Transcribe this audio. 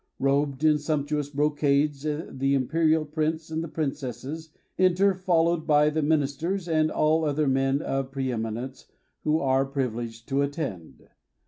Robed in sumptuous brocades the imperial prince and the princesses enter, followed by the ministers and all other men of preeminence who are privileged to attend.